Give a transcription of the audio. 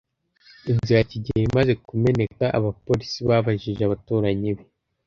Inzu ya kigeli imaze kumeneka, abapolisi babajije abaturanyi be.